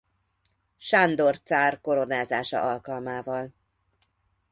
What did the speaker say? Sándor cár koronázása alkalmával.